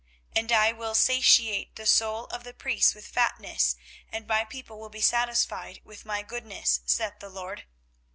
24:031:014 And I will satiate the soul of the priests with fatness, and my people shall be satisfied with my goodness, saith the LORD.